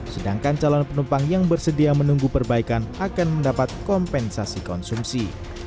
sedangkan calon penumpang yang bersedia menunggu perbaikan akan mendapat kompensasi konsumsi